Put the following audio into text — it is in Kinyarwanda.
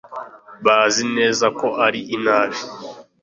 bazi neza ko ari inabi